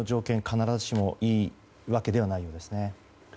必ずしもいいわけではないんですね。